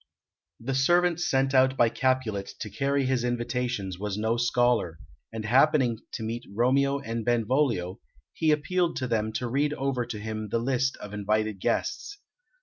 The servant sent out by Capulet to carry his invitations was no scholar, and happening to meet Romeo and Benvolio, he appealed to them to read over to him the list of invited guests.